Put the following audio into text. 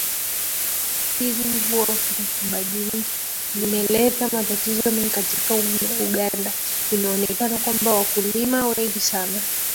hizi mvua kutokutabirika zimeleta matatizo mengi kama uganda imeonekana kwamba wakulima wengi sana